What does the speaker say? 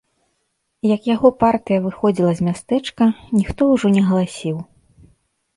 Як яго партыя выходзіла з мястэчка, ніхто ўжо не галасіў.